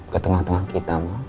ketengah tengah kita mak